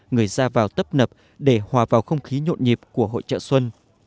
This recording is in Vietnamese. người ra vào tấp nập để hòa vào không khí nhộn nhịp của hội trợ xuân